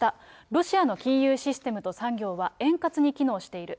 ロシアの金融システムと産業は円滑に機能している。